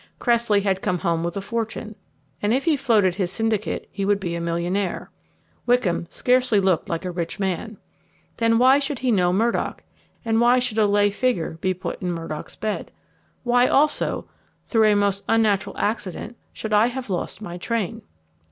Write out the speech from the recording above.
Cressley had come home with a fortune; and if he floated his syndicate he would be a millionaire. Wickham scarcely looked like a rich man. Then why should he know Murdock, and why should a lay figure be put in Murdock's bed? Why, also, through a most unnatural accident, should I have lost my train?